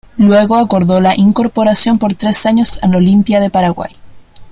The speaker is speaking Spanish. Luego acordó la incorporación por tres años al Olimpia de Paraguay.